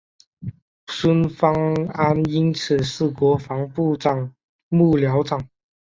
孙芳安此前是国防部长幕僚长。